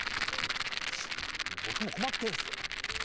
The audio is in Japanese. いや、僕も困ってるんですよ！